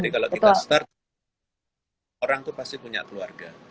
jadi kalau kita start orang tuh pasti punya keluarga